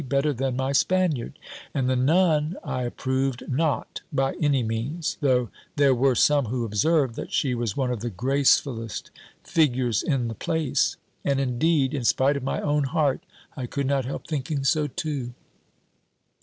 better than my Spaniard: and the Nun I approved not by any means; though there were some who observed, that she was one of the gracefullest figures in the place. And, indeed, in spite of my own heart, I could not help thinking so too.